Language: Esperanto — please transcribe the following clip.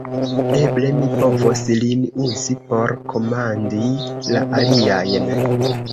Eble mi povos lin uzi, por komandi la aliajn!